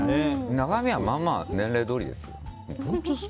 中身はまあまあ年齢どおりですよ。